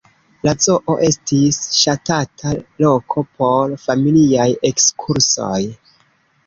La zoo estis ŝatata loko por familiaj ekskursoj.